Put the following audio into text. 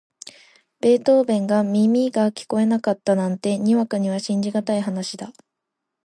ベートーヴェンが耳が聞こえなかったなんて、にわかには信じがたい話だ。